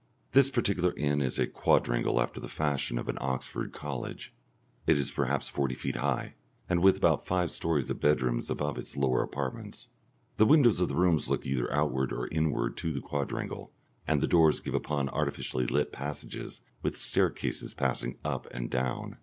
This particular inn is a quadrangle after the fashion of an Oxford college; it is perhaps forty feet high, and with about five stories of bedrooms above its lower apartments; the windows of the rooms look either outward or inward to the quadrangle, and the doors give upon artificially lit passages with staircases passing up and down.